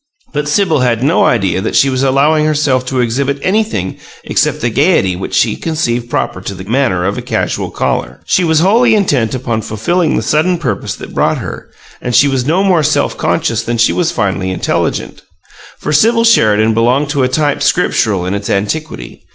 But Sibyl had no idea that she was allowing herself to exhibit anything except the gaiety which she conceived proper to the manner of a casual caller. She was wholly intent upon fulfilling the sudden purpose that brought her, and she was no more self conscious than she was finely intelligent. For Sibyl Sheridan belonged to a type Scriptural in its antiquity.